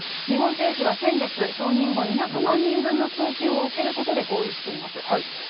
日本政府は先月、承認後２００万人分の供給を受けることで合意しています。